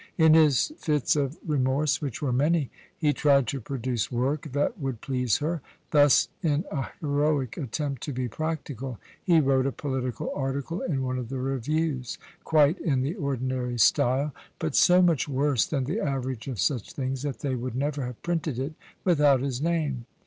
In his fits of remorse, which were many, he tried to produce work that would please her. Thus, in a heroic attempt to be practical, he wrote a political article in one of the reviews, quite in the ordinary style, but so much worse than the average of such things that they would never have printed it without his name.